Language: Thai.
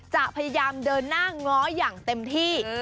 จะพยายามเดินหน้าง้ออย่างเต็มที่